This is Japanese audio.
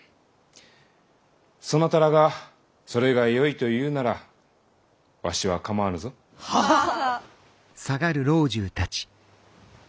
そなたらがそれがよいと言うならわしは構わぬぞ。ははぁ。